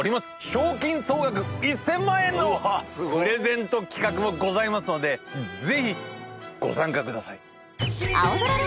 賞金総額１０００万円のプレゼント企画もございますのでぜひご参加ください。